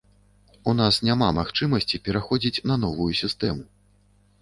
У нас няма магчымасці пераходзіць на новую сістэму.